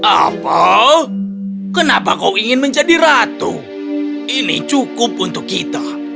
apa kenapa kau ingin menjadi ratu ini cukup untuk kita